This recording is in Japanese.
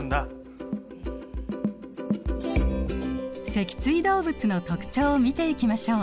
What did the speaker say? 脊椎動物の特徴を見ていきましょう。